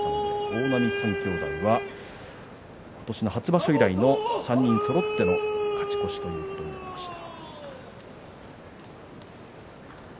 大波三兄弟は今年の初場所以来の３人そろっての勝ち越しということになりました。